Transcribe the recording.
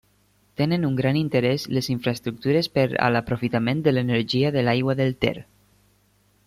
Tenen un gran interès les infraestructures per a l'aprofitament de l'energia de l'aigua del Ter.